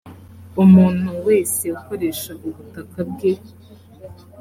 umuntu wese ukoresha ubutaka bwe.